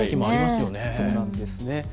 そうなんですね。